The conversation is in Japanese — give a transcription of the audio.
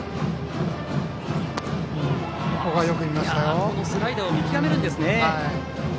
このスライダーを見極めるんですね。